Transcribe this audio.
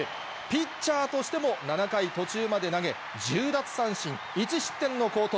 ピッチャーとしても７回途中まで投げ、１０奪三振、１失点の好投。